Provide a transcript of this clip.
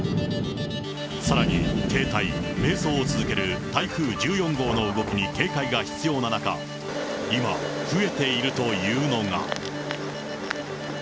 さらに、停滞、迷走を続ける台風１４号の動きに警戒が必要な中、今、増えているというのが。